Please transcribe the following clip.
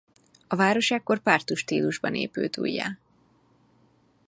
A város ekkor pártus stílusban épült újjá.